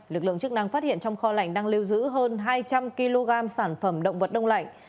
lực lượng chức năng phát hiện trong kho lạnh đang lưu giữ hơn hai trăm linh kg sản phẩm động vật đông lạnh